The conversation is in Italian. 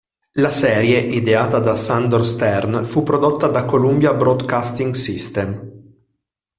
La serie, ideata da Sandor Stern, fu prodotta da Columbia Broadcasting System.